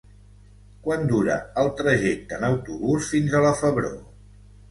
Quant dura el trajecte en autobús fins a la Febró?